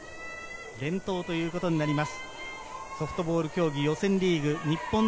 連投ということになります。